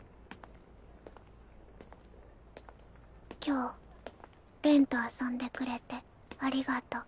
今日れんと遊んでくれてありがとう。